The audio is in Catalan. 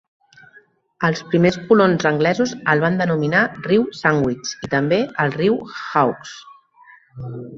Els primers colons anglesos el van denominar "riu Sandwich" i també el "riu Hawkes".